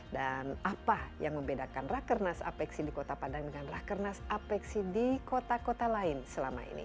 apa yang membedakan rakernas apexi di kota padang dengan rakernas apexi di kota kota lain selama ini